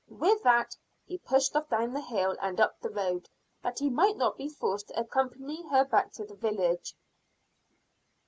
With that he pushed off down the hill, and up the road, that he might not be forced to accompany her back to the village.